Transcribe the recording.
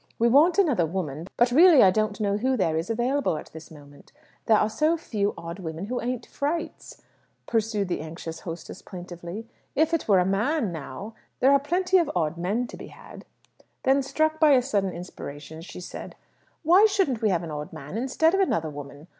We want another woman, but really I don't know who there is available at this moment. There are so few odd women who ain't frights," pursued the anxious hostess plaintively. "If it were a man, now There are plenty of odd men to be had." Then, struck by a sudden inspiration, she said, "Why shouldn't we have an odd man instead of another woman?